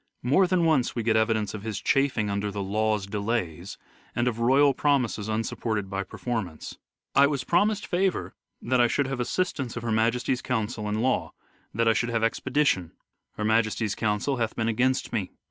More than once we get evidence of his chafing under " the law's delays," and of royal promises unsupported by performance. " I was promised favour that I should have assis tance of Her Majesty's counsel in law, that I should 240 " SHAKESPEARE " IDENTIFIED have expedition. Her Majesty's counsel hath been against me.